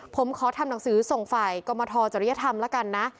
ผมขอทำหนังสือส่งฝ่ายกรมทจริยธรรมแล้วกันนะ